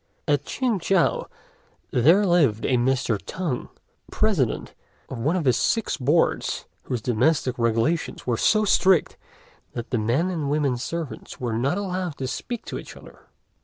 At Ch'ing chow there lived a Mr. Tung, President of one of the Six Boards, whose domestic regulations were so strict that the men and women servants were not allowed to speak to each other.